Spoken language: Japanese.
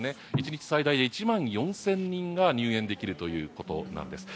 １日最大で１万４０００人が入園できるということです。